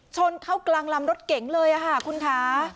ชนเข้ากลางลำรถเก๋งเลยค่ะคุณคะ